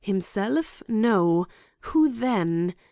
Himself? No. Who then?